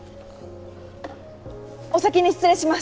お先に失礼します。